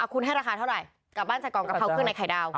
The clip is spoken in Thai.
คุณให้ราคาเท่าไหร่กลับบ้านจากกล่องกะเพราเครื่องในไข่ดาว